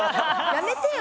やめてよ？